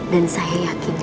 dan saya yakin deo